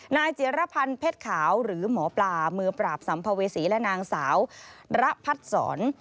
เจียรพันธ์เพชรขาวหรือหมอปลามือปราบสัมภเวษีและนางสาวระพัดศร